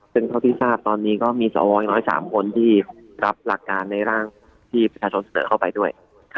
ซึ่งเท่าที่ทราบตอนนี้ก็มีสวอย่างน้อย๓คนที่รับหลักการในร่างที่ประชาชนเสนอเข้าไปด้วย